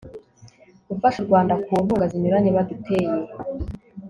gufasha u rwanda ku nkunga zinyuranye baduteye